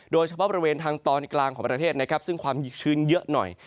โดยเฉพาะบริเวณทางตอนกลางของประเทศนะครับซึ่งความชื้นเยอะหน่อย